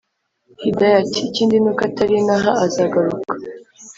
hidaya ati”ikindi nuko atari inaha azagaruka